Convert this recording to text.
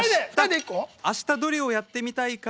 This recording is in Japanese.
あしたどれをやってみたいか？